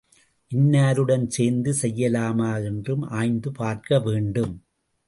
இன்னாருடன் சேர்ந்து செய்யலாமா என்றும் ஆய்ந்து பார்க்கவேண்டும்.